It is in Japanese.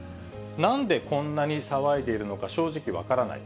なんでこんなに騒いでいるのか、正直、分からない。